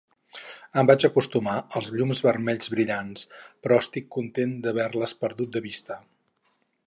Em vaig acostumar als llums vermells brillants, però estic content d'haver-les perdut de vista.